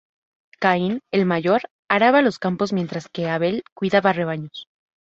Caín, el mayor, araba los campos mientras que Abel cuidaba rebaños.